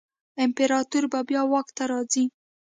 امپراتور به بیا واک ته راځي.